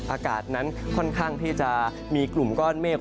อากาศนั้นค่อนข้างที่จะมีกลุ่มก้อนเมฆ